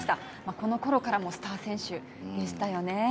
このころからスター選手でしたよね。